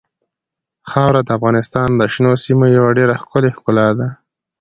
خاوره د افغانستان د شنو سیمو یوه ډېره ښکلې ښکلا ده.